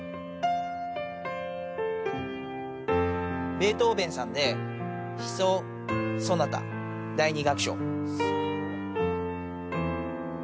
ベートーヴェンさんで悲愴ソナタ第２楽章。